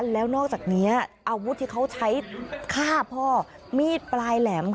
แล้วนอกจากนี้อาวุธที่เขาใช้ฆ่าพ่อมีดปลายแหลมค่ะ